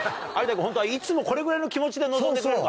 君いつもこれぐらいの気持ちで臨んでくれるか？